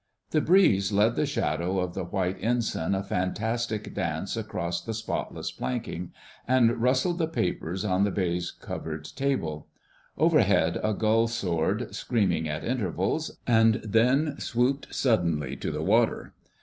The breeze led the shadow of the White Ensign a fantastic dance across the spotless planking, and rustled the papers on the baize covered table. Overhead a gull soared, screaming at intervals, and then swooped suddenly to the water.